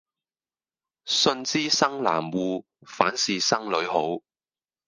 信知生男惡，反是生女好。